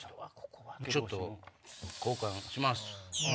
ちょっと交換します。